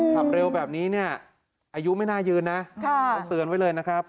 ขับเร็วแบบนี้เนี่ยอายุไม่น่ายืนนะต้องเตือนไว้เลยนะครับ